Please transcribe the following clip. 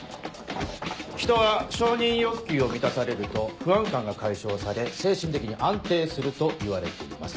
人は承認欲求を満たされると不安感が解消され精神的に安定するといわれています。